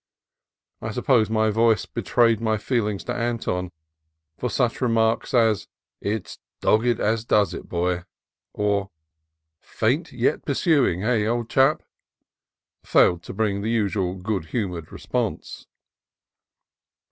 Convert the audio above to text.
I sup pose my voice betrayed my feelings to Anton, for such remarks as "It's dogged as does it, boy," or "Faint yet pursuing, eh, old chap?" failed to bring the usual good humored response.